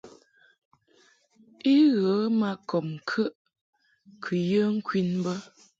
I ghə ma kɔb ŋkəʼ kɨ yə ŋkwin bə.